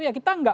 ya kita enggak